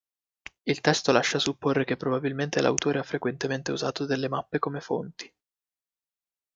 Il testo lascia supporre che probabilmente l'autore ha frequentemente usato delle mappe come fonti.